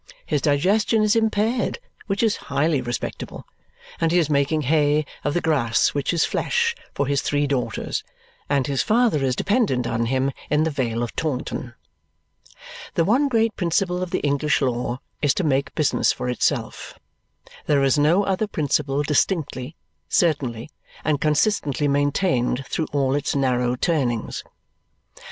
His digestion is impaired, which is highly respectable. And he is making hay of the grass which is flesh, for his three daughters. And his father is dependent on him in the Vale of Taunton. The one great principle of the English law is to make business for itself. There is no other principle distinctly, certainly, and consistently maintained through all its narrow turnings.